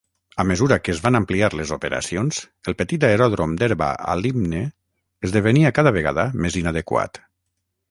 A mesura que es van ampliar les operacions, el petit aeròdrom d'herba a Lympne esdevenia cada vegada més inadequat.